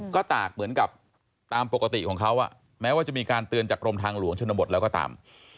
ก็ตากเหมือนกับตามปกติของเขาแม้ว่าจะมีการเตือนจากกรมทางหลวงชนบทแล้วก็ตาม